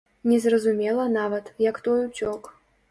Незразумела нават, як той уцёк.